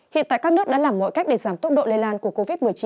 hiện tại các nước đã làm mọi cách để giảm tốc độ lây lan của covid một mươi chín